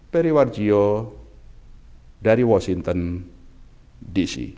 periwar gio dari washington dc